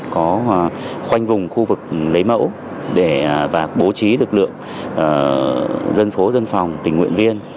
có khoanh vùng khu vực lấy mẫu để và bố trí lực lượng dân phố dân phòng tình nguyện viên